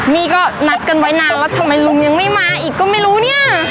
นี่ก็นัดกันไว้นานแล้วทำไมลุงยังไม่มาอีกก็ไม่รู้เนี่ย